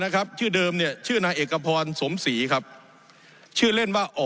ชื่อเดิมเนี่ยชื่อนายเอกพรสมศรีครับชื่อเล่นว่าอ๋อ